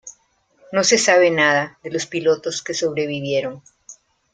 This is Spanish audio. No se sabe nada de los pilotos que sobrevivieron.